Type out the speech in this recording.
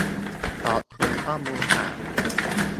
ขอบคุณข้อมูลจาก